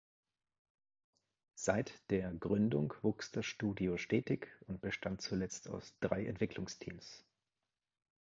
Seit der Gründung wuchs das Studio stetig und bestand zuletzt aus drei Entwicklungs-Teams.